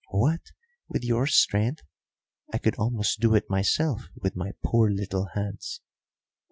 "What, with your strength! I could almost do it myself with my poor little hands.